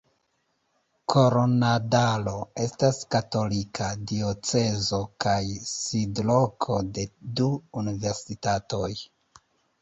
Koronadalo estas katolika diocezo kaj sidloko de du universitatoj.